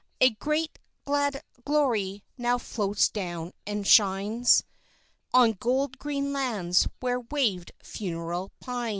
A great, glad glory now flows down and shines On gold green lands where waved funereal pines.